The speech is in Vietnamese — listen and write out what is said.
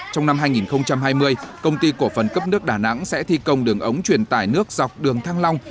trong năm hai nghìn hai mươi công ty cổ phần cấp nước đà nẵng sẽ thi công đường ống truyền tải nước dọc đường thăng long